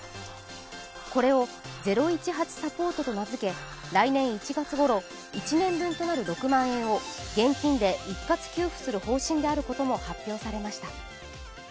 これを０１８サポートと名付け来年１月ごろ１年分となる６万円を現金で一括給付する方針であることも発表されました。